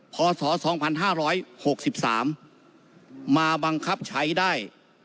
พศสองพันห้าร้อยหกสิบสามมาบังคับใช้ได้